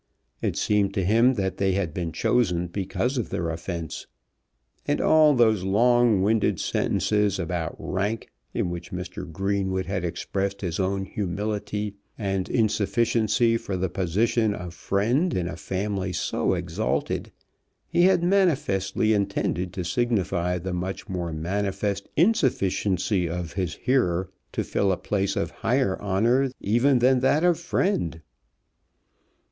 It seemed to him that they had been chosen because of their offence. In all those long winded sentences about rank in which Mr. Greenwood had expressed his own humility and insufficiency for the position of friend in a family so exalted he had manifestly intended to signify the much more manifest insufficiency of his hearer to fill a place of higher honour even than that of friend.